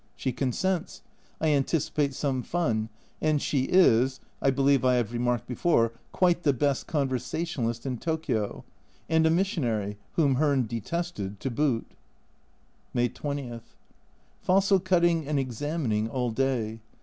She consents I anticipate some fun, and she is (I believe I have remarked before) quite the best conversationalist in Tokio, and a missionary (whom Hearn detested) to boot. May 20. Fossil cutting and examining all day.